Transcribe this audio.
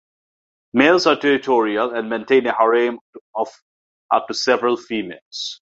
Males are territorial and maintain a harem of up to several females.